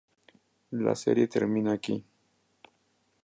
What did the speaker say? La serie termina aquí.